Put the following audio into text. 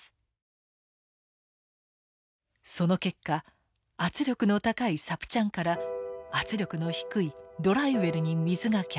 その結果圧力の高いサプチャンから圧力の低いドライウェルに水が逆流。